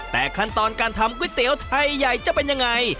แต่ขั้นตอนการทำก๋วยเตี๋ยวไทยใหญ่จะเป็นยังไง